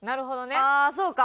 ああそうか。